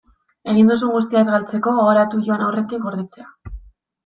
Egin duzun guztia ez galtzeko, gogoratu joan aurretik gordetzea.